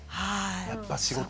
やっぱ仕事が。